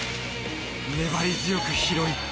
粘り強く拾い